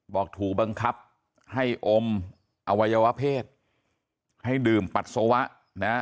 บอกถูกบังคับให้อมอวัยวะเพศให้ดื่มปัสสาวะนะฮะ